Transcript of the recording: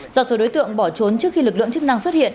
do số đối tượng bỏ trốn trước khi lực lượng chức năng xuất hiện